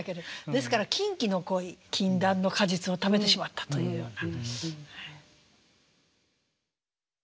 ですから禁忌の恋禁断の果実を食べてしまったというような。